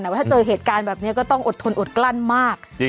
แต่ว่าถ้าเจอเหตุการณ์แบบนี้ก็ต้องอดทนอดกลั้นมาก